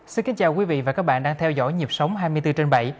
xin chào quý vị và các bạn đang theo dõi nhịp sóng hai mươi bốn trên bảy